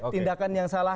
tindakan yang salah